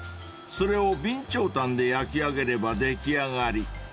［それを備長炭で焼き上げれば出来上がり］